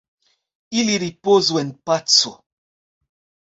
Ili ripozu en paco.